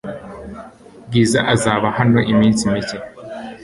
Bwiza azaba hano hano iminsi mike .